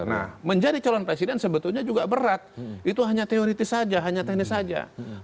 nah menjadi calon presiden sebetulnya juga berat itu hanya teoritis saja hanya teknis saja